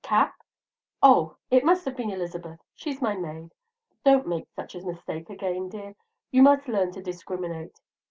cap? Oh, it must have been Elizabeth. She's my maid, don't make such a mistake again, dear; you must learn to discriminate.